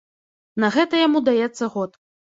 На гэта яму даецца год.